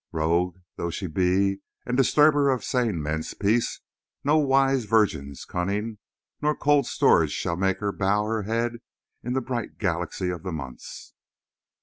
Rogue though she be and disturber of sane men's peace, no wise virgins cunning nor cold storage shall make her bow her head in the bright galaxy of months.